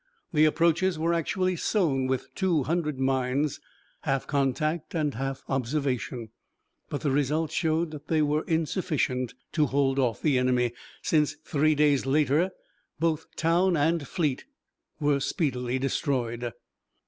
The approaches were actually sown with two hundred mines, half contact and half observation, but the result showed that they were insufficient to hold off the enemy, since three days later both town and fleet were speedily destroyed.